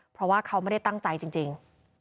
เพราะว่าเขาไม่ได้ตั้งใจจริง